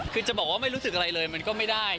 คือจะบอกว่าไม่รู้สึกอะไรเลยมันก็ไม่ได้